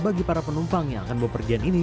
bagi para penumpang yang akan berpergian ini